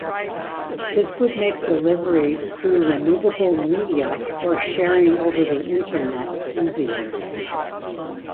This would make delivery through removable media or sharing over the Internet easier.